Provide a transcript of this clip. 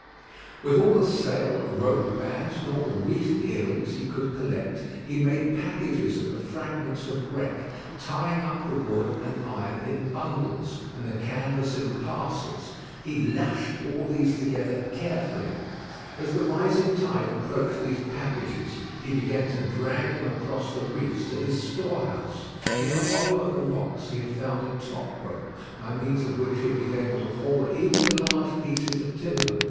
With all the sail, rope bands, and all the reef earrings he could collect, he made packages of the fragments of wreck, tying up the wood and iron in bundles, and the canvas in parcels. He lashed all these together carefully. As the rising tide approached these packages, he began to drag them across the reefs to his storehouse. In the hollow of the rocks he had found a top rope, by means of which he had been able to haul even the large pieces of timber.